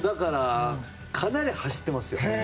かなり走ってますよ。